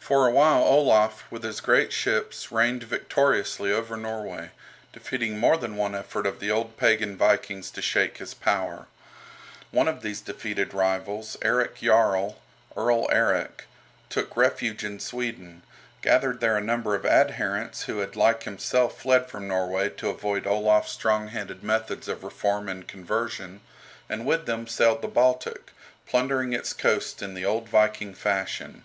For a while Olaf, with his great ships, reigned victoriously over Norway, defeating more than one effort of the old pagan Vikings to shake his power. One of these defeated rivals, Erik Jarl (Earl Erik), took refuge in Sweden, gathered there a number of adherents who had like himself fled from Norway to avoid Olaf's strong handed methods of reform and conversion, and with them sailed the Baltic, plundering its coasts in the old Viking fashion.